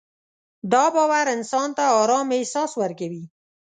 دا باور انسان ته ارام احساس ورکوي.